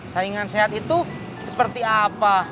saingan sehat itu seperti apa